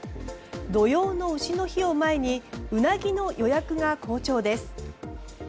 土用の丑の日を前にウナギの予約が好調です。